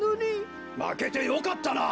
まけてよかったな。